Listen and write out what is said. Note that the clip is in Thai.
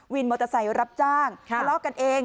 วินมอเตอร์ไซรับจ้างหลอกกันเอง